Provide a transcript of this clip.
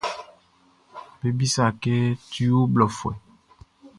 Be bisât kɛ tu ɔ ho blɔfuɛ.